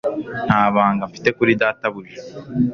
Nta banga mfite kuri data buja